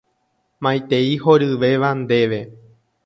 Maitei horyvéva ndéve.